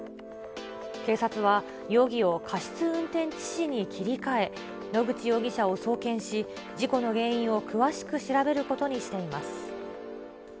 警察は、容疑を過失運転致死に切り替え、野口容疑者を送検し、事故の原因を詳しく調べることにしています。